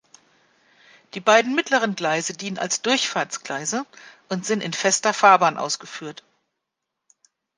Die beiden mittleren Gleise dienen als Durchfahrtsgleise und sind in Fester Fahrbahn ausgeführt.